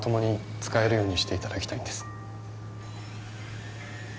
使えるようにしていただきたいんです